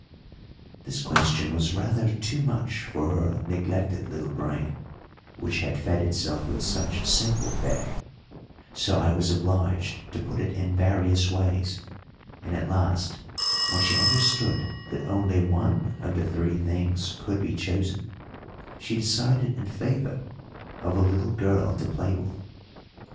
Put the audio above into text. This question was rather too much for her neglected little brain, which had fed itself with such simple fare; so I was obliged to put it in various ways, and at last, when she understood that only one of the three things could be chosen, she decided in favour of a little girl to play with.